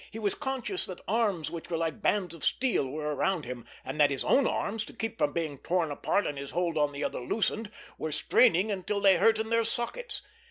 He was conscious that arms which were like bands of steel were around him, and that his own arms, to keep from being torn apart and his hold on the other loosened, were straining until they hurt in their sockets.